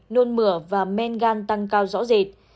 nôn mửa và men gan tăng cao rõ rệt